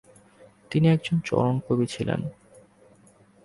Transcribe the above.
তিনি একজন চারণকবি ছিলেন।